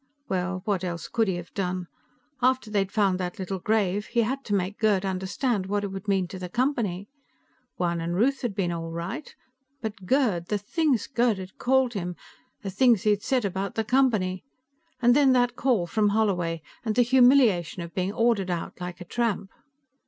Well, what else could he have done? After they'd found that little grave, he had to make Gerd understand what it would mean to the Company. Juan and Ruth had been all right, but Gerd The things Gerd had called him; the things he'd said about the Company. And then that call from Holloway, and the humiliation of being ordered out like a tramp.